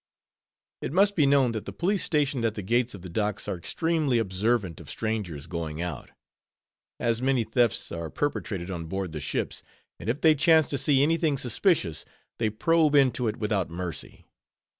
It must be known that the police stationed at the gates of the docks are extremely observant of strangers going out; as many thefts are perpetrated on board the ships; and if they chance to see any thing suspicious, they probe into it without mercy.